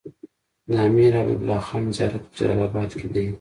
د امير حبيب الله خان زيارت په جلال اباد کی دی